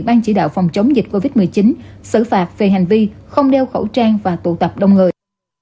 ban chỉ đạo phòng chống dịch covid một mươi chín xử phạt về hành vi không đeo khẩu trang và tụ tập đông người